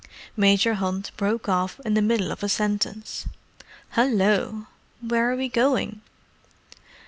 Major Hunt broke off in the middle of a sentence. "Hallo! Where are we going?"